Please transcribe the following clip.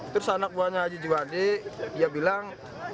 terus anak buahnya haji juwadi dia bilang